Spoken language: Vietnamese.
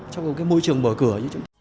trong một cái môi trường mở cửa